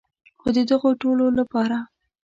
خو د دغو ټولو لپاره.